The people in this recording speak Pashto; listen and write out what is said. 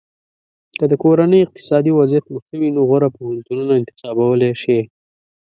که د کورنۍ اقتصادي وضعیت مو ښه وي نو غوره پوهنتونونه انتخابولی شی.